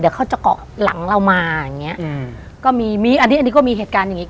เดี๋ยวเขาจะเกาะหลังเรามาอย่างเงี้อืมก็มีมีอันนี้อันนี้ก็มีเหตุการณ์อย่างงี้